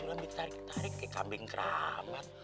lo tarik tarik kayak kambing kerapat